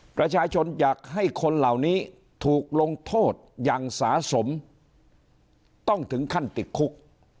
ประชาชนอยากให้คนเหล่านี้ถูกลงโทษอย่างสาสมต้องถึงขั้นติดคุก